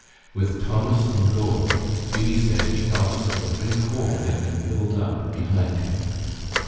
With Thomas in goal, Hughie said he felt as if a big hole had been filled up behind him.